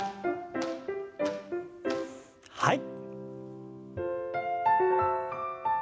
はい。